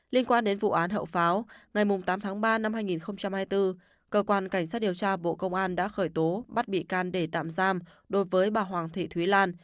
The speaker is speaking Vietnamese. liên quan đến vụ án hậu pháo ngày tám tháng ba năm hai nghìn hai mươi bốn cơ quan cảnh sát điều tra bộ công an đã khởi tố bắt bị can để tạm giam đối với bà hoàng thị thúy lan